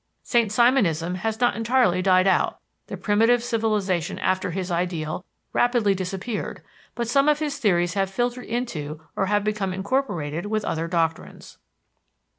Saint Simonism has not entirely died out; the primitive civilization after his ideal rapidly disappeared, but some of his theories have filtered into or have become incorporated with other doctrines.